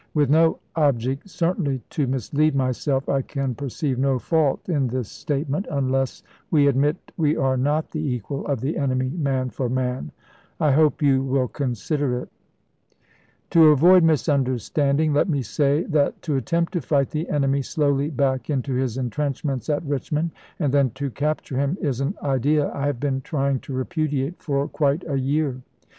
With no object, certainly, to mislead myself, I can perceive no fault in this statement. 236 ABRAHAM LINCOLN Chap. IX. unless WG admit we are not the equal of the enemy, man for man. I hope you will consider it. " To avoid misunderstanding, let me say that to attempt to fight the enemy slowly back into his intrenchments at Richmond, and then to capture him, is an idea I have been trying to repudiate for quite a year.